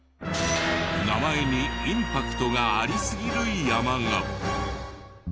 名前にインパクトがありすぎる山が。